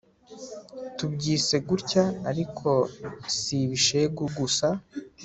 tubyise gutya ariko si ibishegu gusa